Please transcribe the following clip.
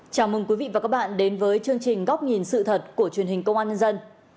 chào mừng quý vị và các bạn đến với chương trình góc nhìn sự thật của truyền hình công an nhân dân